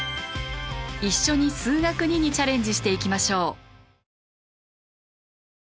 一緒に「数学Ⅱ」にチャレンジしていきましょう。